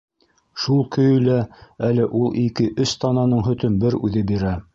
Шул көйө лә әле ул ике-өс тананың һөтөн бер үҙе бирә.